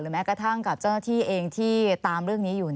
แม้กระทั่งกับเจ้าหน้าที่เองที่ตามเรื่องนี้อยู่